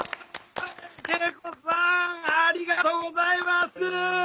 圭永子さんありがとうございます。